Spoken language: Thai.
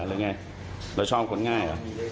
อะไรไงเราชอบคนง่าย